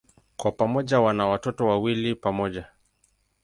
Kwa pamoja wana watoto wawili pamoja.